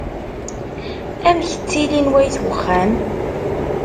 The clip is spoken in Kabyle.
Amek ttilin wayt uxxam?